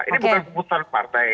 ini bukan keputusan partai